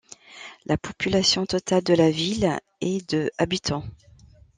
La population totale de la ville est de habitants.